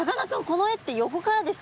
この絵って横からですか？